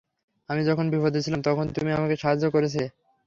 আমি যখন বিপদে ছিলাম, তখন তুমি আমাকে সাহায্য করেছিলে।